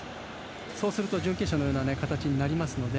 そうすると準決勝のような形になりますので。